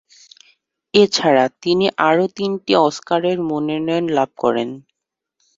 এছাড়া তিনি আরও তিনটি অস্কারের মনোনয়ন লাভ করেন।